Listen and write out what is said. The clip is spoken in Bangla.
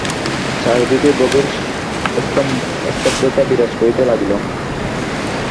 চারি দিকে গভীর স্তব্ধতা বিরাজ করিতে লাগিল।